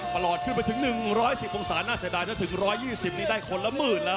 ประหลอดขึ้นไปถึง๑๑๐องศาน่าเสียดายถึง๑๒๐นี่ได้คนละหมื่นแล้ว